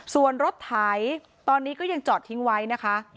ส่วนรถไถตอนนี้ก็ยังจอดทิ้งไว้นะคะ